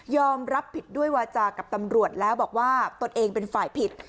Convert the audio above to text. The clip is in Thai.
รับผิดด้วยวาจากับตำรวจแล้วบอกว่าตนเองเป็นฝ่ายผิด